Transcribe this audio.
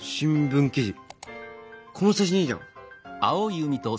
この写真いいじゃん。